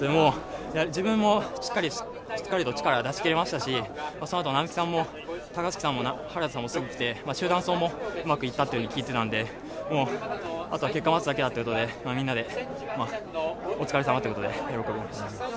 自分もしっかりと力を出し切れましたし、そのあと並木さんも高槻さんも原田さんもすぐ来て、集団走もうまくいったと聞いていたんで、結果を待つだけだということで、みんなでお疲れさまということで、喜びました。